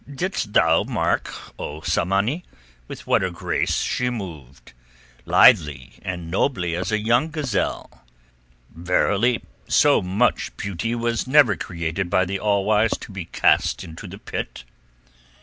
"Didst thou mark, O Tsamanni, with what a grace she moved?—lithely and nobly as a young gazelle. Verily, so much beauty was never created by the All Wise to be cast into the Pit."